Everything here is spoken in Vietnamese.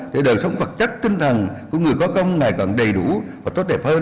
để đời sống vật chất tinh thần của người có công ngày càng đầy đủ và tốt đẹp hơn